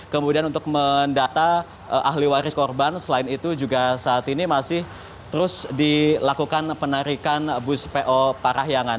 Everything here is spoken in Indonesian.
kemudian untuk mendata ahli waris korban selain itu juga saat ini masih terus dilakukan penarikan bus po parahyangan